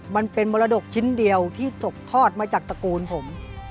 มันเป็นมรดกชิ้นเดียวที่ตกทอดมาจากตระกูลผม